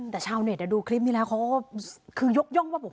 แต่ชาวเน็ตดูคลิปนี้แล้วเขาก็คือยกย่องว่า